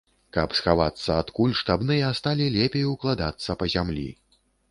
Каб схавацца ад куль, штабныя сталі лепей укладацца па зямлі.